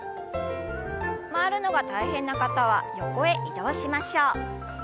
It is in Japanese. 回るのが大変な方は横へ移動しましょう。